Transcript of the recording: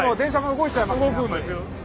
動くんですよ。